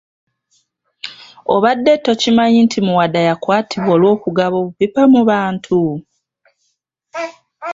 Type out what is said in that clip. Obadde tokimanyi nti Muwada yakwatibwa olw’okugaba obupipa mu bantu.